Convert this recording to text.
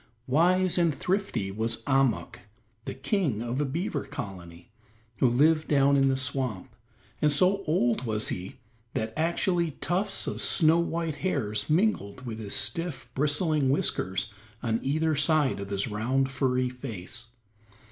Wise and thrifty was Ahmuk, the King of a Beaver Colony who lived down in the swamp, and so old was he that actually tufts of snow white hairs mingled with his stiff, bristling whiskers on either side of his round, furry face.